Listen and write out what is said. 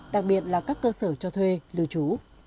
đặc biệt là các cơ sở cho thuê lưu trú